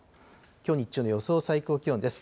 きょう日中の予想最高気温です。